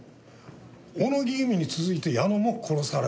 小野木由美に続いて矢野も殺された。